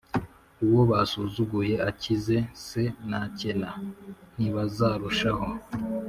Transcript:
uwo basuzugura akize se, nakena ntibazarushaho